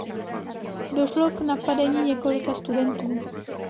Došlo k napadení několika studentů.